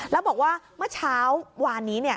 แล้วบอกว่าเมื่อเช้าวานนี้